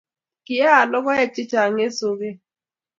kial lokoek chechang' eng' soket.